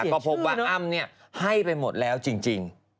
ก็พบว่าอ้ำให้ไปหมดแล้วจริง